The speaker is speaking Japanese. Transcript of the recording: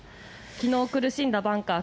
昨日苦しんだバンカー